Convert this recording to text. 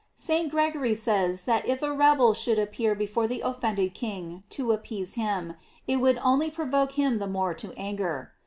"* St. Gregory says that if a rebel should appear before the offended king to ap pease him, it would only provoke him the more to anger.